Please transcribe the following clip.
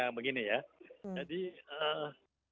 begini ya jadi supaya masyarakat bisa menolak